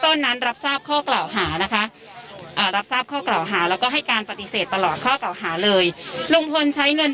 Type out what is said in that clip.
ขอบคุณครับขอบคุณครับขอบคุณครับ